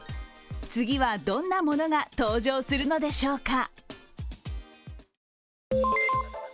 次はどんなものが登場するのでしょうか。